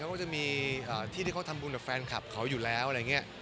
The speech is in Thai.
เขาก็จะมีที่ที่เขาทำบุญกับแฟนคลับเขาอยู่แล้วอะไรอย่างนี้